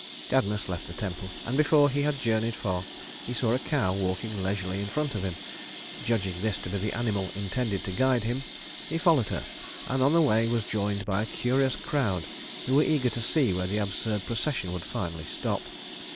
Cadmus left the temple, and before he had journeyed far he saw a cow walking leisurely in front of him. Judging this to be the animal intended to guide him, he followed her, and on the way was joined by a curious crowd who were eager to see where the absurd procession would finally stop.